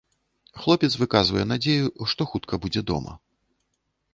Хлопец выказвае надзею, што хутка будзе дома.